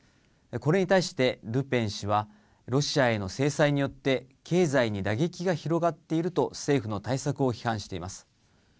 これに対してルペン氏は、ロシアへの制裁によって経済に打撃が広がっていると、政府の対策を批判しています。